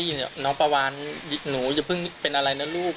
ได้ยินว่าน้องปลาวานหนูอย่าเพิ่งเป็นอะไรนะลูก